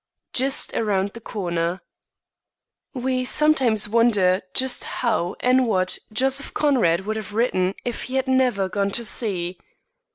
Just Around the Corner We sometimes wonder just how and what Joseph Conrad would have written if he had never gone to sea.